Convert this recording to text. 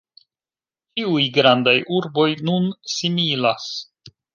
Ĉiuj grandaj urboj nun similas.